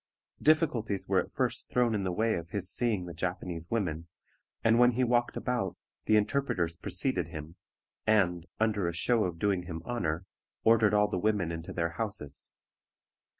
Difficulties were at first thrown in the way of his seeing the Japanese women, and when he walked about the interpreters preceded him, and, under a show of doing him honor, ordered all the women into their houses.